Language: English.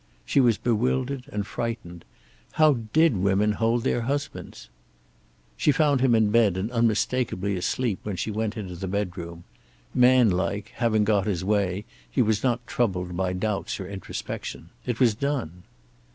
She was bewildered and frightened. How did women hold their husbands? She found him in bed and unmistakably asleep when she went into the bedroom. Man like, having got his way, he was not troubled by doubts or introspection. It was done.